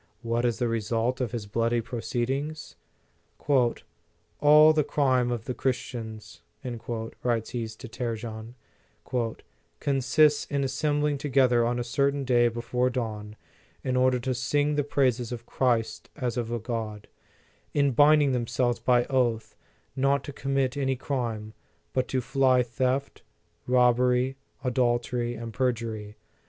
What is the result of his bloody proceedings? "All the crime of the Chris tians," writes he to Trajan, " consists in as sembling together on a certain day before dawn, in order to sing the praises of Christ as of a God; in binding themselves by oath not to commit any crime, but to fly theft, rob bery, adultery and perjury.